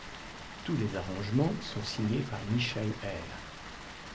Tous les arrangements sont signés par Michel Herr.